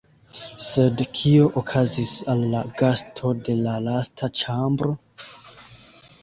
Sed, kio okazis al la gasto de la lasta ĉambro?